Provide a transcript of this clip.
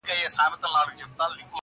لاس دي راکه چي مشکل دي کړم آسانه -